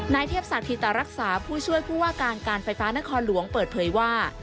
นายเทพศักดิตรักษาผู้ช่วยผู้ว่าการการไฟฟ้านครหลวงเปิดเผยว่า